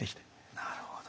なるほど。